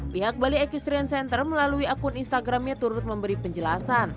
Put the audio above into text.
pihak bali equestrian center melalui akun instagramnya turut memberi penjelasan